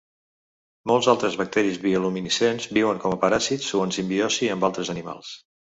Molts altres bacteris bioluminescents viuen com a paràsits o en simbiosi amb altres animals.